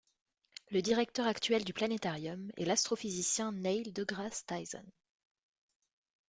Le directeur actuel du planétarium est l'astrophysicien Neil deGrasse Tyson.